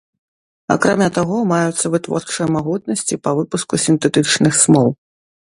Акрамя таго, маюцца вытворчыя магутнасці па выпуску сінтэтычных смол.